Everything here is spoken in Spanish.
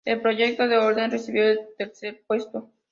El proyecto de Holden recibió el tercer puesto.